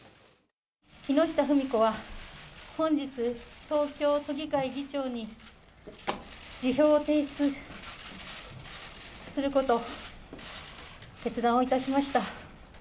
木下富美子は、本日、東京都議会議長に、辞表を提出することを決断をいたしました。